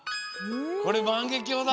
これまんげきょうだ！